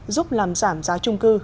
giúp làm giảm giá trung cư